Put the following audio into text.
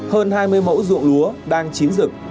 hơn hai mươi mẫu ruộng lúa đang chín rực